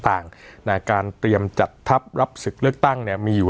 ต่างในการเตรียมจัดทัพรับศึกเลือกตั้งเนี่ยมีอยู่